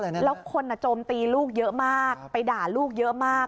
แล้วคนโจมตีลูกเยอะมากไปด่าลูกเยอะมาก